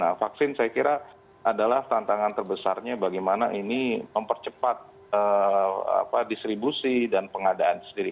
nah vaksin saya kira adalah tantangan terbesarnya bagaimana ini mempercepat distribusi dan pengadaan sendiri